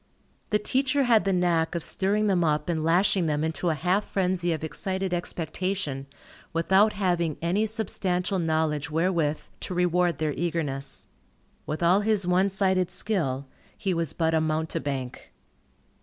The teacher had the knack of stirring them up and lashing them into a half frenzy of excited expectation, without having any substantial knowledge wherewith to reward their eagerness. With all his one sided skill, he was but a mountebank.